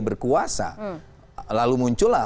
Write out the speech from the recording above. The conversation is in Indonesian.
berkuasa lalu muncullah